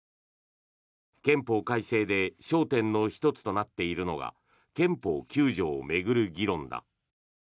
憲法改正で焦点の１つとなっているのが憲法９条を巡る議論だ。